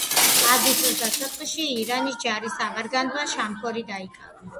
აგვისტოს დასაწყისში ირანის ჯარის ავანგარდმა შამქორი დაიკავა.